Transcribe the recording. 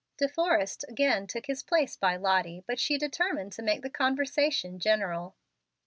De Forrest again took his place by Lottie, but she determined to make the conversation general.